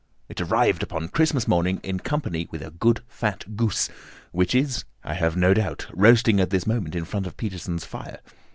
It arrived upon Christmas morning, in company with a good fat goose, which is, I have no doubt, roasting at this moment in front of Peterson's fire.